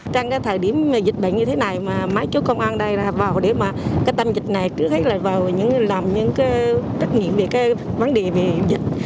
trong cái thời điểm dịch bệnh như thế này mà máy chốt công an đây là vào để mà cái tâm dịch này cứ thấy là vào những làm những cái trách nhiệm về cái vấn đề về dịch